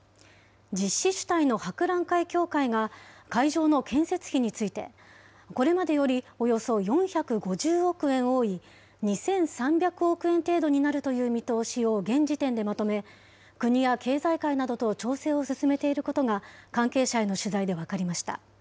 実施主体の博覧会協会が、会場の建設費について、これまでよりおよそ４５０億円多い、２３００億円程度になるという見通しを現時点でまとめ、国や経済界などと調整を進めていることが、関係者への取材で分かりました。